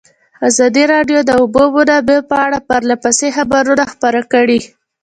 ازادي راډیو د د اوبو منابع په اړه پرله پسې خبرونه خپاره کړي.